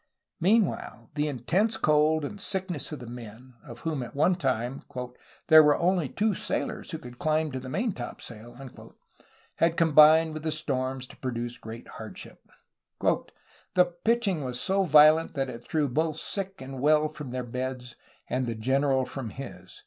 Meanwhile the intense cold and the sickness of the men, of whom at one time "there were only two sailors who could climb to the maintopsail," had combined with the storms to produce great hardship. "The pitching was so violent that it threw both sick and well from their beds and the general from his.